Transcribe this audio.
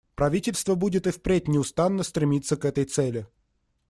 Правительство будет и впредь неустанно стремиться к этой цели.